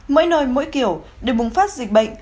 mỗi nơi mỗi kiểu để bùng phát dịch bệnh